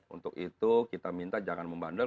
untuk itu kita minta jangan membandel